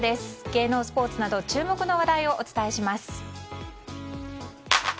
芸能、スポーツなど注目の話題をお伝えします。